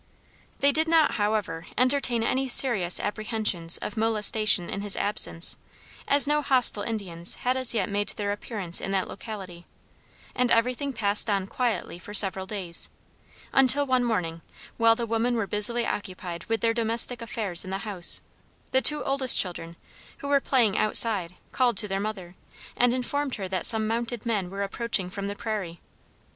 They did not, however, entertain any serious apprehensions of molestation in his absence, as no hostile Indians had as yet made their appearance in that locality, and everything passed on quietly for several days, until one morning, while the women were busily occupied with their domestic affairs in the house, the two oldest children, who were playing outside, called to their mother, and informed her that some mounted men were approaching from the prairie.